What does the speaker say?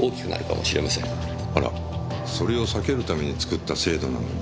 あらそれを避けるために作った制度なのに。